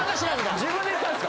自分で行ったんですか？